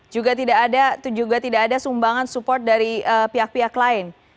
juga tidak ada sumbangan support dari pihak pihak lain